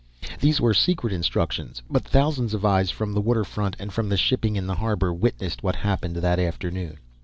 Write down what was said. These were secret instructions; but thousands of eyes, from the water front and from the shipping in the harbour, witnessed what happened that afternoon.